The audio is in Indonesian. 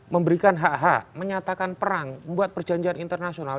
memberikan hak hak menyatakan perang membuat perjanjian internasional